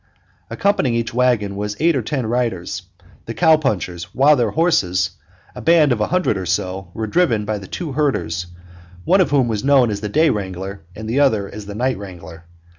Accompanying each wagon were eight or ten riders, the cow punchers, while their horses, a band of a hundred or so, were driven by the two herders, one of whom was known as the day wrangler and one as the night wrangler.